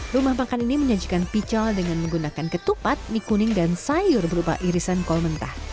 rumah makan ini menyajikan pical dengan menggunakan ketupat mie kuning dan sayur berupa irisan kol mentah